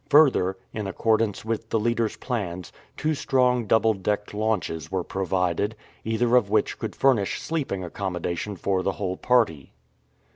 Further, in accordance with the leader's plans, two strong double decked launches were provided, either of which could furnish sleeping accommodation for the whole party.